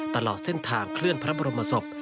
ตลอดเส้นทางเคลื่อนพระบรมศพ